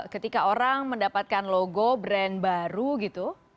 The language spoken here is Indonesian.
ketika orang mendapatkan logo brand baru gitu